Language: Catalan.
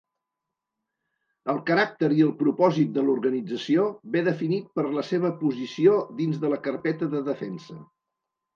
El caràcter i el propòsit de l'organització ve definit per la seva posició dins de la carpeta de Defensa.